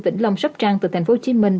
vĩnh long sắp trang từ thành phố hồ chí minh